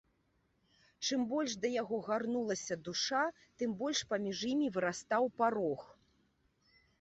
Чым больш да яго гарнулася душа, тым больш паміж імі вырастаў парог.